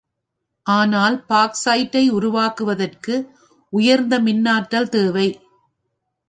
ஆனால் பாக்சைட்டை உருக்குவதற்கு உயர்ந்த மின்னாற்றல் தேவை.